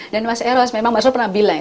dan mas eros memang mas ros pernah bilang ya